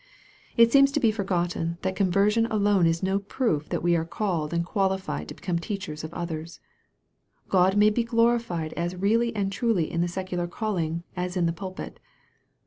It seems to be forgotten that conversion alone is no proof that we are called and qualified to become teachers of others. God may be glorified as really and truly in the secular calling as in the pulpit.